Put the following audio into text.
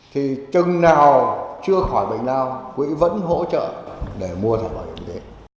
thì chừng nào chưa khỏi bệnh lao quỹ vẫn hỗ trợ để mua thẻ loại